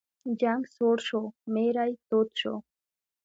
جنګ سوړ شو، میری تود شو.